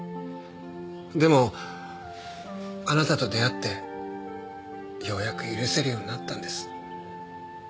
でもあなたと出会ってようやく許せるようになったんです。